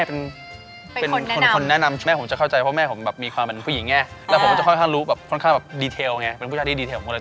เป็นผู้ชายดีเทลจริงรู้ว่าแบบผู้หญิงชอบอะไรทำอะไรแบบไหนแบบเหมือนในละครนะเรา